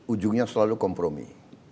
ujungnya selalu kompromis